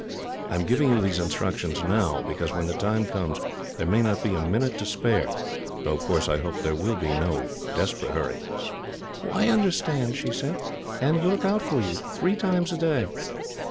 I am giving you these instructions now, because when the time comes there may not be a minute to spare, though, of course, I hope there will be no desperate hurry." "I understand," she said, "and will look out for you, three times a day."